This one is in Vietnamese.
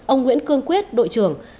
ông nguyễn cương quyết đội trưởng